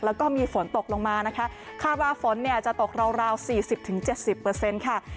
แล้วก็มีฝนตกลงมาคาดว่าฝนจะตกราว๔๐๗๐เปอร์เซ็นต์